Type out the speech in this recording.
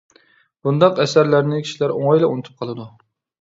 بۇنداق ئەسەرلەرنى كىشىلەر ئوڭايلا ئۇنتۇپ قالىدۇ.